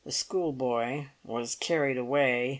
The schoolboy was carried away.